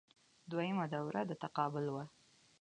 دویمه دوره د تقابل وه